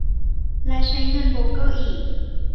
และใช้เงินโบรกเกอร์อีก